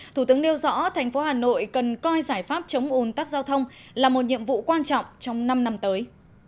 thủ tướng nêu rõ thành phố hà nội cần coi giải pháp chống ủn tắc giao thông là một nhiệm vụ quan trọng trong năm năm tới